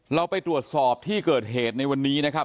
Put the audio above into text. เราไปตรวจสอบที่เกิดเหตุในวันนี้นะครับ